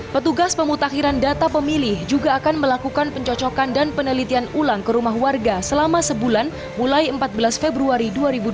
petugas pemutakhiran data pemilih juga akan melakukan pencocokan dan penelitian ulang ke rumah warga selama sebulan mulai empat belas februari dua ribu dua puluh